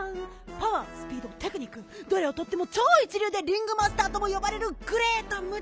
パワースピードテクニックどれをとってもちょういちりゅうでリングマスターともよばれるグレート・ムダ！